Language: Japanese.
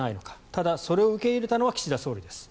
ただ、それを受け入れたのは岸田総理です。